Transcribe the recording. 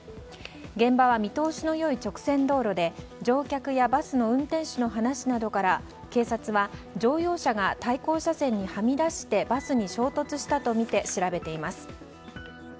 現場は見通しの良い直線道路で乗客やバスの運転手の話などから警察は乗用車が対向車線にはみ出してバスに衝突したとみて調べています。